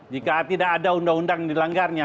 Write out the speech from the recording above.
jika tidak ada undang undang yang dilanggarnya